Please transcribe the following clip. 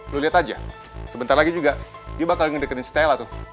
lu lihat aja sebentar lagi juga dia bakal dengerin stella tuh